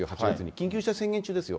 緊急事態宣言中ですよ。